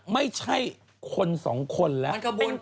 ไม่ใช่คนสองคนแล้ว